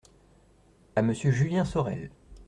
à Monsieur Julien Sorel.